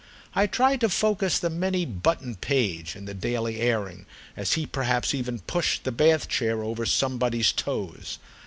I tried to focus the many buttoned page, in the daily airing, as he perhaps even pushed the Bath chair over somebody's toes.